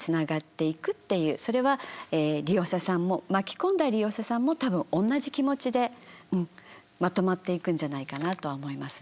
それは利用者さんも巻き込んだ利用者さんも多分同じ気持ちでまとまっていくんじゃないかなとは思いますね。